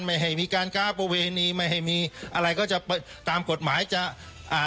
ไม่ให้มีการค้าประเวณีไม่ให้มีอะไรก็จะไปตามกฎหมายจะอ่า